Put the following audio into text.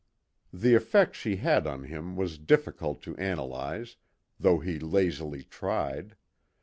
The effect she had on him was difficult to analyse, though he lazily tried.